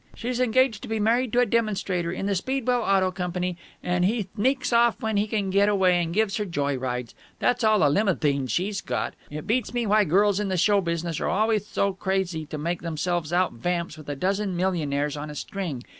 She's engaged to be married to a demonstrator in the Speedwell Auto Company, and he thneaks off when he can get away and gives her joy rides. That's all the limouthine she's got. It beats me why girls in the show business are alwayth tho crazy to make themselves out vamps with a dozen millionaires on a string.